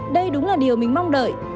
đây đúng là điều mình mong đợi